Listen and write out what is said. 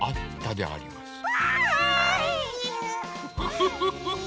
フフフフ。